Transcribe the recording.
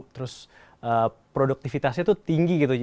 terus produktivitasnya itu tinggi gitu